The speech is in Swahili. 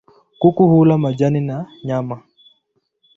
Kuku hula majani na nyama.